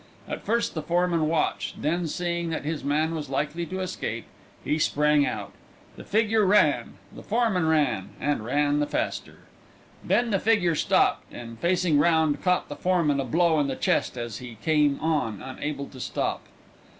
At first the foreman watched; then, seeing that his man was likely to escape, he sprang out. The figure ran, the foreman ran, and ran the faster. Then the fugitive stopped, and facing round caught the foreman a blow in the chest as he came on unable to stop.